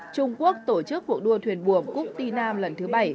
trung quốc tổ chức cuộc đua thuyền buồm cúc ti nam lần thứ bảy